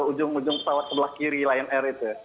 ujung ujung pesawat sebelah kiri lion air itu